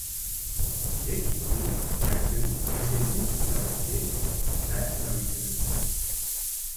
Yekî ku her tim kesên din sûcdar dike, nayê tedawîkirin.